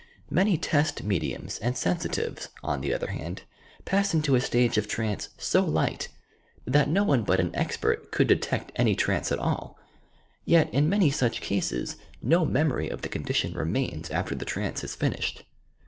Many test mediums and sensitives, on the other hand, pass into a stage of trance so light, that no one but 174 TOUR PSYCHIC POWERS an expert could detect any trance at all. Yet, in many saeii cases, no memory of the condition remains after the trance is finished.